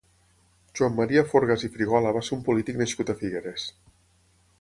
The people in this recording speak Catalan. Joan Maria Forgas i Frígola va ser un polític nascut a Figueres.